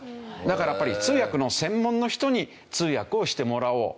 だからやっぱり通訳の専門の人に通訳をしてもらおう。